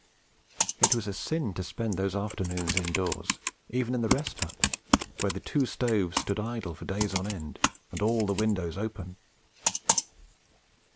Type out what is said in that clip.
It was a sin to spend those afternoons indoors, even in the Rest Hut, where the two stoves stood idle for days on end, and all the windows open.